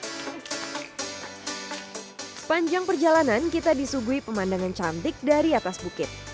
sepanjang perjalanan kita disuguhi pemandangan cantik dari atas bukit